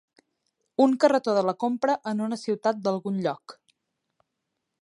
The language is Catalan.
Un carretó de la compra en una ciutat d'algun lloc.